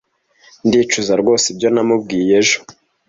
Ndicuza rwose ibyo namubwiye ejo.